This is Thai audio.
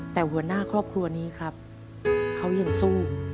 แต่หัวหน้าครอบครัวนี้ครับเขายังสู้